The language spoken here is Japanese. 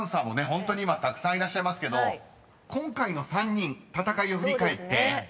ホントに今たくさんいらっしゃいますけど今回の３人戦いを振り返って］